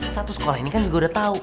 satu sekolah ini kan juga udah tahu